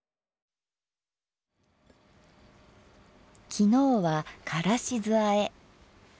昨日は「からし酢あえ」。